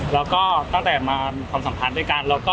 แล้วก็ตั้งแต่มาความสัมพันธ์ด้วยกัน